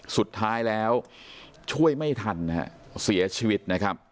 สุดท้ายแล้วช่วยไม่ทันนะฮะเสียชีวิตนะครับ